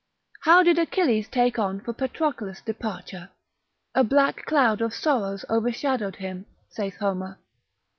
How did Achilles take on for Patroclus' departure? A black cloud of sorrows overshadowed him, saith Homer.